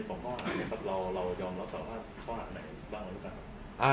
ต่อข้อหานะครับเรายอมแล้วแต่ว่าข้อหาไหนบ้างแล้วกันครับ